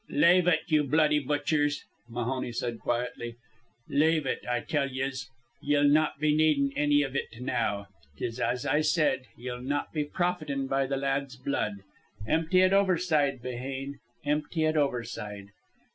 "Lave ut, you bloody butchers," Mahoney said quietly. "Lave ut, I tell yez. Ye'll not be needin' anny iv ut now. 'Tis as I said: ye'll not be profitin' by the lad's blood. Empty ut overside, Behane. Empty ut overside."